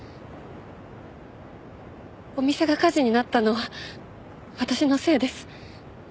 お店が火事になったのは私のせいです。